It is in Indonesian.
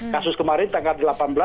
kasus kemarin tanggal delapan belas